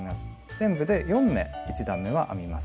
全部で４目１段めは編みます。